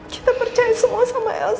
kita percaya semua sama els